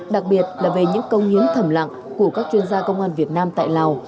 đặc biệt là về những công hiến thầm lặng của các chuyên gia công an việt nam tại lào